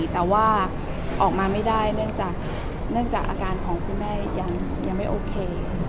แต่ว่าออกมาไม่ได้เนื่องจากอาการของคุณแม่ยังไม่โอเค